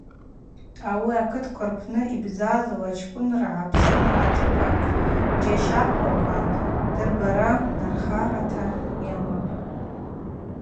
Ауи акытква рпны йбзазауа чкӏвыныргӏа Апсны ашӏыпӏа джьащахъваква дырбара нархарата йамапӏ.